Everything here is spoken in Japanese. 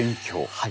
はい。